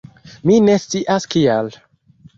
Mi ne scias kial